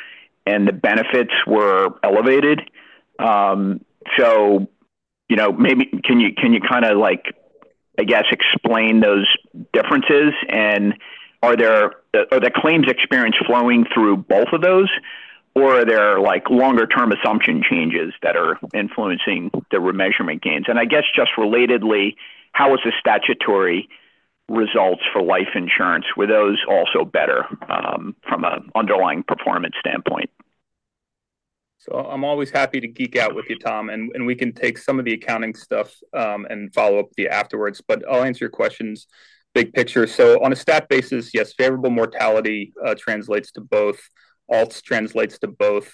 and the benefits were elevated. Can you kind of, I guess, explain those differences? Are the claims experience flowing through both of those, or are there longer-term assumption changes that are influencing the remeasurement gains? I guess just relatedly, how was the statutory results for life insurance? Were those also better from an underlying performance standpoint? I am always happy to geek out with you, Tom, and we can take some of the accounting stuff and follow up afterwards, but I will answer your questions big picture. On a stat basis, yes, favorable mortality translates to both. Alts translates to both.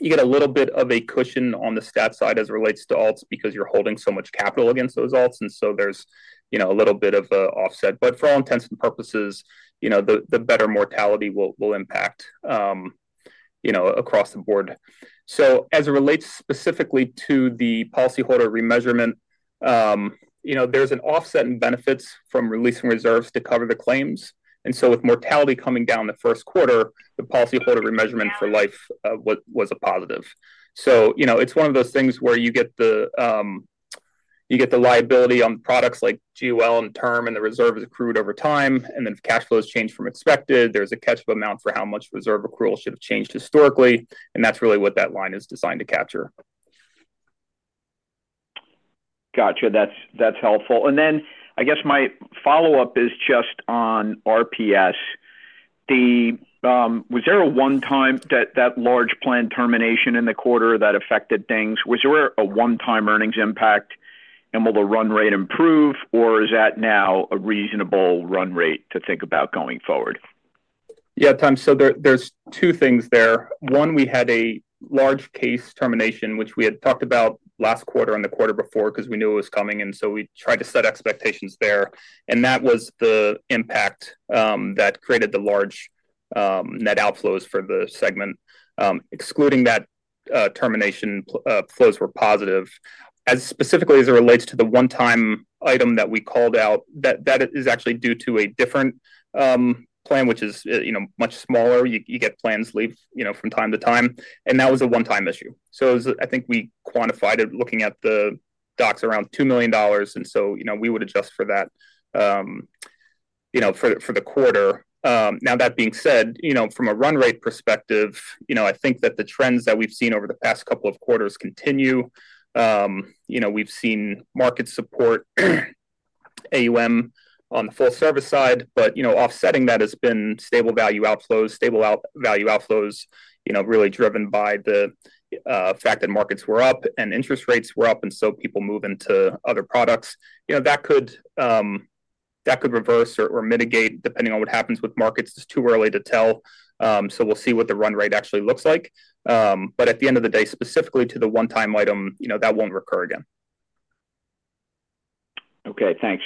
You get a little bit of a cushion on the stat side as it relates to alts because you're holding so much capital against those alts, and so there's a little bit of an offset. For all intents and purposes, the better mortality will impact across the board. As it relates specifically to the policyholder remeasurement, there's an offset in benefits from releasing reserves to cover the claims. With mortality coming down the first quarter, the policyholder remeasurement for life was a positive. It's one of those things where you get the liability on products like GOL and term and the reserve is accrued over time. If cash flow has changed from expected, there's a catch-up amount for how much reserve accrual should have changed historically. That's really what that line is designed to capture. Gotcha. That's helpful. I guess my follow-up is just on RPS. Was there a one-time that large planned termination in the quarter that affected things? Was there a one-time earnings impact, and will the run rate improve, or is that now a reasonable run rate to think about going forward? Yeah, Tom. There are two things there. One, we had a large case termination, which we had talked about last quarter and the quarter before because we knew it was coming, and we tried to set expectations there. That was the impact that created the large net outflows for the segment. Excluding that, termination flows were positive. As specifically as it relates to the one-time item that we called out, that is actually due to a different plan, which is much smaller. You get plans leave from time to time. That was a one-time issue. I think we quantified it looking at the docs around $2 million, and we would adjust for that for the quarter. That being said, from a run rate perspective, I think that the trends that we've seen over the past couple of quarters continue. We've seen market support, AUM on the full service side, but offsetting that has been stable value outflows, stable value outflows really driven by the fact that markets were up and interest rates were up, and people moving to other products. That could reverse or mitigate depending on what happens with markets. It's too early to tell. We'll see what the run rate actually looks like. At the end of the day, specifically to the one-time item, that won't recur again. Okay. Thanks.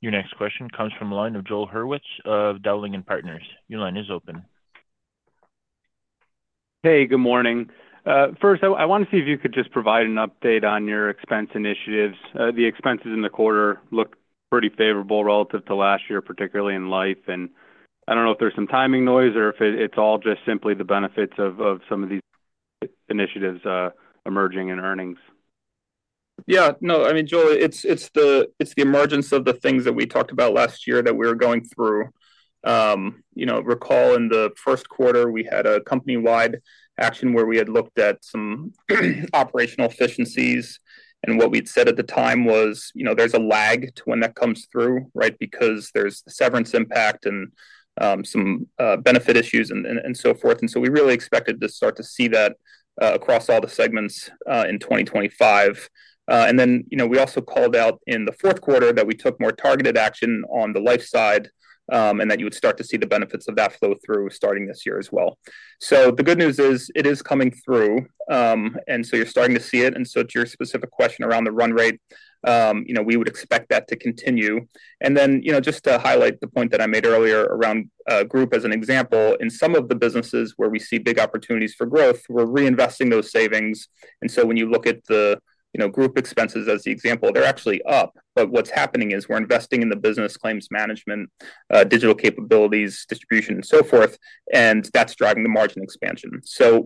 Your next question comes from the line of Joel Hurwitz of Dowling & Partners. Your line is open. Hey, good morning. First, I want to see if you could just provide an update on your expense initiatives. The expenses in the quarter looked pretty favorable relative to last year, particularly in life. I do not know if there is some timing noise or if it is all just simply the benefits of some of these initiatives emerging in earnings. Yeah. No, I mean, Joel, it is the emergence of the things that we talked about last year that we were going through. Recall in the first quarter, we had a company-wide action where we had looked at some operational efficiencies. What we said at the time was there is a lag to when that comes through, right, because there is severance impact and some benefit issues and so forth. We really expected to start to see that across all the segments in 2025. We also called out in the fourth quarter that we took more targeted action on the life side and that you would start to see the benefits of that flow through starting this year as well. The good news is it is coming through, and you are starting to see it. To your specific question around the run rate, we would expect that to continue. Just to highlight the point that I made earlier around group as an example, in some of the businesses where we see big opportunities for growth, we are reinvesting those savings. When you look at the group expenses as the example, they are actually up. What is happening is we are investing in the business claims management, digital capabilities, distribution, and so forth, and that is driving the margin expansion.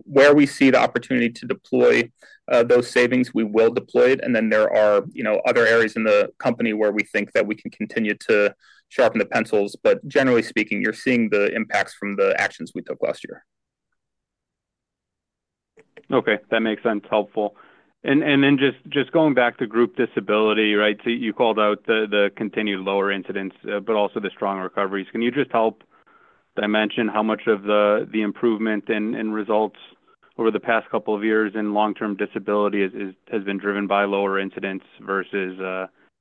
Where we see the opportunity to deploy those savings, we will deploy it. There are other areas in the company where we think that we can continue to sharpen the pencils. Generally speaking, you're seeing the impacts from the actions we took last year. Okay. That makes sense. Helpful. Just going back to group disability, right, you called out the continued lower incidence, but also the strong recoveries. Can you just help dimension how much of the improvement in results over the past couple of years in long-term disability has been driven by lower incidence versus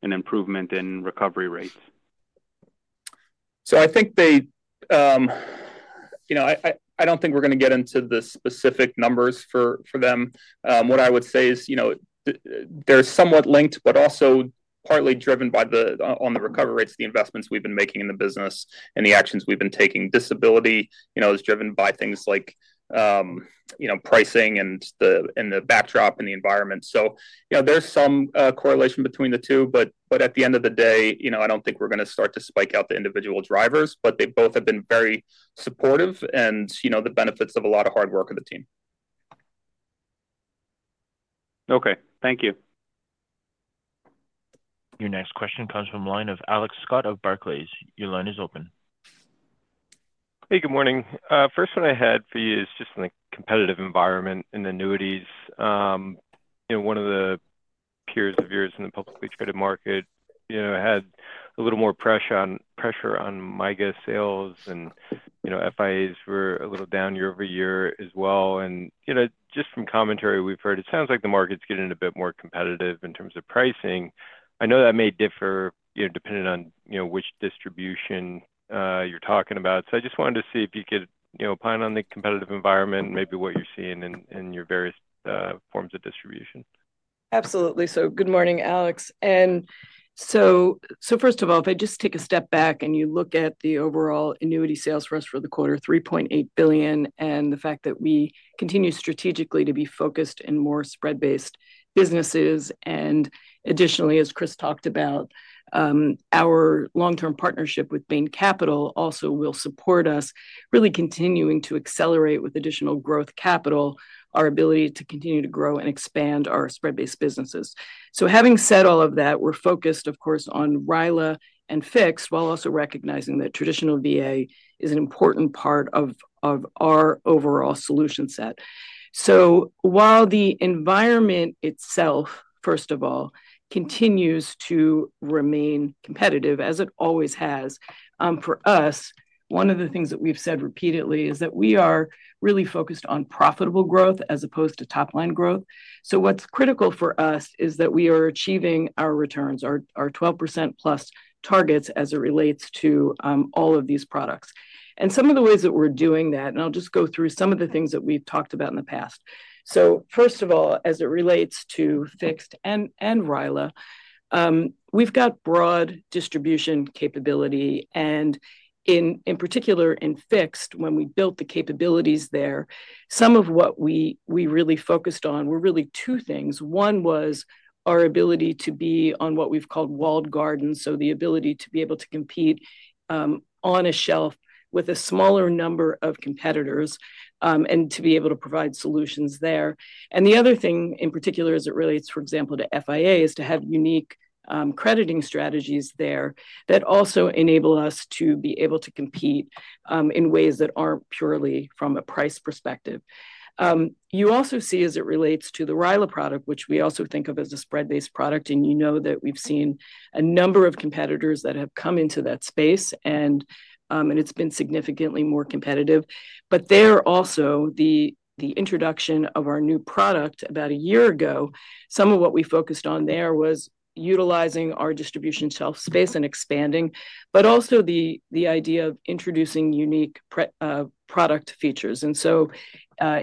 an improvement in recovery rates? I think they I don't think we're going to get into the specific numbers for them. What I would say is they're somewhat linked, but also partly driven on the recovery rates, the investments we've been making in the business, and the actions we've been taking. Disability is driven by things like pricing and the backdrop in the environment. There is some correlation between the two, but at the end of the day, I do not think we're going to start to spike out the individual drivers, but they both have been very supportive and the benefits of a lot of hard work of the team. Okay. Thank you. Your next question comes from the line of Alex Scott of Barclays. Your line is open. Hey, good morning. First one I had for you is just in the competitive environment and annuities, one of the peers of yours in the publicly traded market had a little more pressure on, I guess, sales, and FIAs were a little down year- over -year as well. Just from commentary we've heard, it sounds like the market's getting a bit more competitive in terms of pricing. I know that may differ depending on which distribution you're talking about. I just wanted to see if you could opine on the competitive environment, maybe what you're seeing in your various forms of distribution. Absolutely. Good morning, Alex. First of all, if I just take a step back and you look at the overall annuity sales for us for the quarter, $3.8 billion, and the fact that we continue strategically to be focused in more spread-based businesses. Additionally, as Chris talked about, our long-term partnership with Bain Capital also will support us really continuing to accelerate with additional growth capital, our ability to continue to grow and expand our spread-based businesses. Having said all of that, we are focused, of course, on RILA and Fixed while also recognizing that traditional VA is an important part of our overall solution set. While the environment itself, first of all, continues to remain competitive as it always has, for us, one of the things that we have said repeatedly is that we are really focused on profitable growth as opposed to top-line growth. What is critical for us is that we are achieving our returns, our 12% plus targets as it relates to all of these products. Some of the ways that we're doing that, and I'll just go through some of the things that we've talked about in the past. First of all, as it relates to Fixed and RILA, we've got broad distribution capability. In particular, in Fixed, when we built the capabilities there, some of what we really focused on were really two things. One was our ability to be on what we've called walled gardens, so the ability to be able to compete on a shelf with a smaller number of competitors and to be able to provide solutions there. The other thing in particular, as it relates, for example, to FIA, is to have unique crediting strategies there that also enable us to be able to compete in ways that aren't purely from a price perspective. You also see, as it relates to the RILA product, which we also think of as a spread-based product, and you know that we've seen a number of competitors that have come into that space, and it's been significantly more competitive. There also, the introduction of our new product about a year ago, some of what we focused on there was utilizing our distribution shelf space and expanding, but also the idea of introducing unique product features.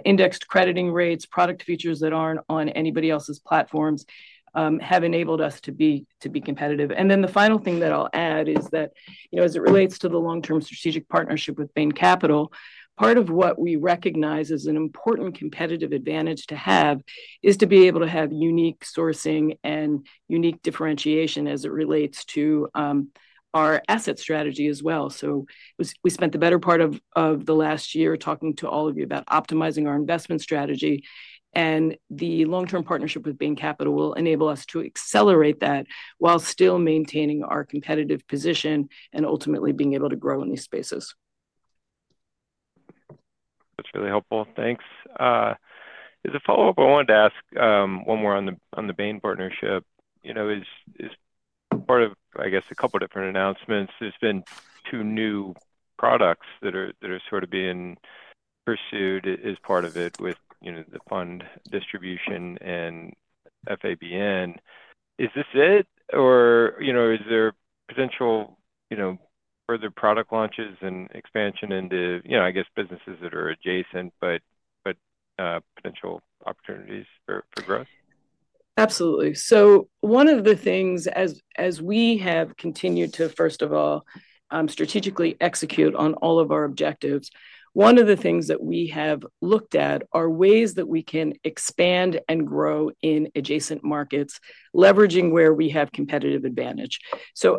Indexed crediting rates, product features that aren't on anybody else's platforms have enabled us to be competitive. The final thing that I'll add is that as it relates to the long-term strategic partnership with Bain Capital, part of what we recognize as an important competitive advantage to have is to be able to have unique sourcing and unique differentiation as it relates to our asset strategy as well. We spent the better part of the last year talking to all of you about optimizing our investment strategy. The long-term partnership with Bain Capital will enable us to accelerate that while still maintaining our competitive position and ultimately being able to grow in these spaces. That's really helpful. Thanks. As a follow-up, I wanted to ask one more on the Bain partnership. As part of, I guess, a couple of different announcements, there have been two new products that are sort of being pursued as part of it with the fund distribution and FABN. Is this it, or is there potential for further product launches and expansion into, I guess, businesses that are adjacent, but potential opportunities for growth? Absolutely. One of the things, as we have continued to, first of all, strategically execute on all of our objectives, one of the things that we have looked at are ways that we can expand and grow in adjacent markets, leveraging where we have competitive advantage.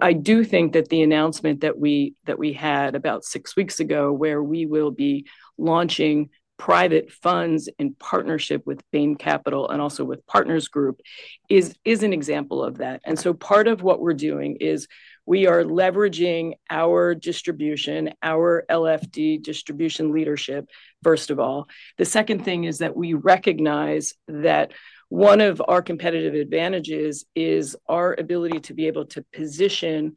I do think that the announcement that we had about six weeks ago where we will be launching private funds in partnership with Bain Capital and also with Partners Group is an example of that. Part of what we are doing is we are leveraging our distribution, our LFD distribution leadership, first of all. The second thing is that we recognize that one of our competitive advantages is our ability to be able to position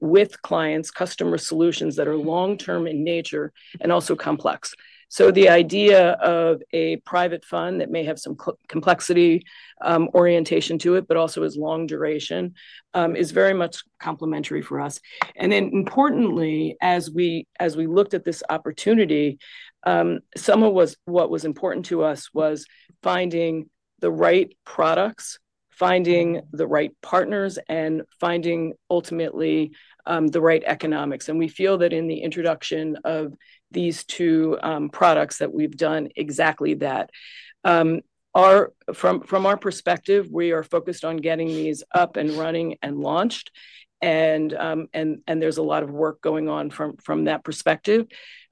with clients customer solutions that are long-term in nature and also complex. The idea of a private fund that may have some complexity orientation to it, but also is long duration, is very much complementary for us. Importantly, as we looked at this opportunity, some of what was important to us was finding the right products, finding the right partners, and finding ultimately the right economics. We feel that in the introduction of these two products that we have done exactly that. From our perspective, we are focused on getting these up and running and launched, and there is a lot of work going on from that perspective.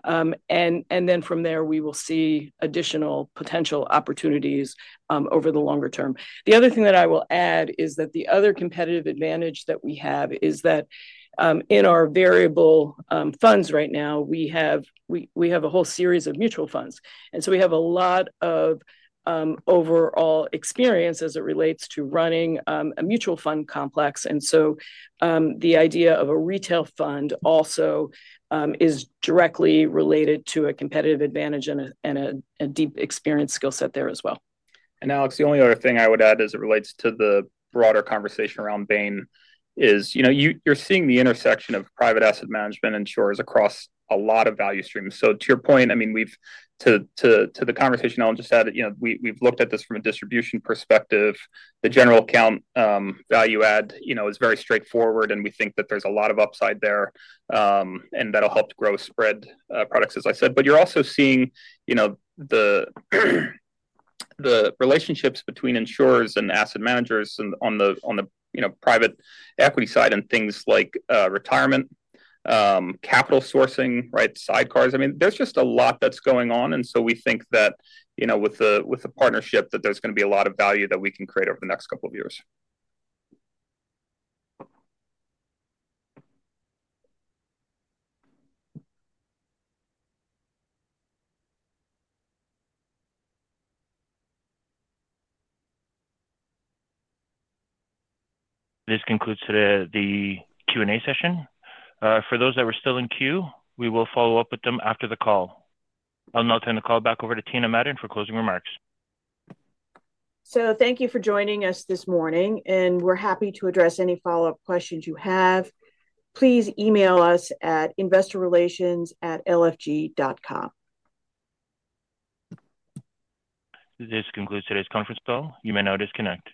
From there, we will see additional potential opportunities over the longer term. The other thing that I will add is that the other competitive advantage that we have is that in our variable funds right now, we have a whole series of mutual funds. We have a lot of overall experience as it relates to running a mutual fund complex. The idea of a retail fund also is directly related to a competitive advantage and a deep experience skill set there as well. Alex, the only other thing I would add as it relates to the broader conversation around Bain is you are seeing the intersection of private asset management and insurers across a lot of value streams. To your point, I mean, to the conversation, I will just add, we have looked at this from a distribution perspective. The general account value add is very straightforward, and we think that there is a lot of upside there and that will help grow spread products, as I said. You are also seeing the relationships between insurers and asset managers on the private equity side and things like retirement, capital sourcing, right, sidecars. I mean, there's just a lot that's going on. We think that with the partnership, there's going to be a lot of value that we can create over the next couple of years. This concludes today the Q&A session. For those that were still in queue, we will follow up with them after the call. I'll now turn the call back over to Tina Madon for closing remarks. Thank you for joining us this morning, and we're happy to address any follow-up questions you have. Please email us at investorrelations@lfg.com. This concludes today's conference call. You may now disconnect.